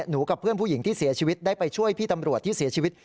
กับเพื่อนผู้หญิงที่เสียชีวิตได้ไปช่วยพี่ตำรวจที่เสียชีวิต